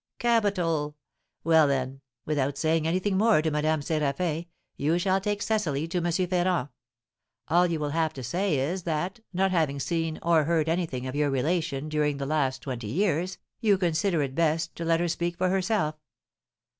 "Capital! Well, then, without saying anything more to Madame Séraphin, you shall take Cecily to M. Ferrand. All you will have to say is, that, not having seen or heard anything of your relation during the last twenty years, you consider it best to let her speak for herself."